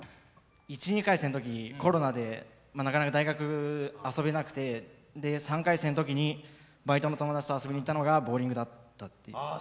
１２回生のときなかなか遊べなくて３回生のときにバイトの友達と遊びに行ったのがボウリングだった。